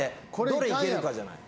どれいけるかじゃない？